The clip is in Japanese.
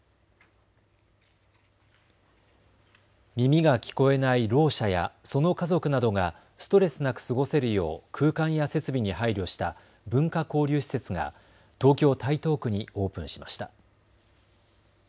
耳が聞こえないろう者やその家族などがストレスなく過ごせるよう空間や設備に配慮した文化交流施設が東京台東区にオープンしました。